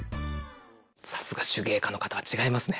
さすが手芸家の方は違いますね。